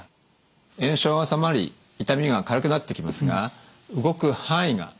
炎症が治まり痛みが軽くなってきますが動く範囲が狭くなる。